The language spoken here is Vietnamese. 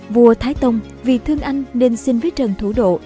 vua thái tông vì thương anh nên xin với trần thủ độ